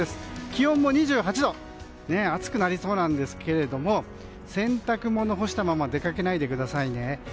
気温も２８度で暑くなりそうですが洗濯物を干したまま出かけないでくださいね。